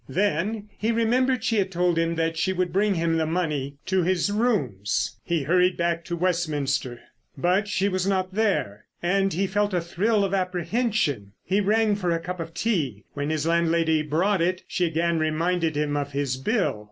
Then he remembered she had told him that she would bring him the money to his rooms. He hurried back to Westminster. But she was not there, and he felt a thrill of apprehension. He rang for a cup of tea; when his landlady brought it she again reminded him of his bill.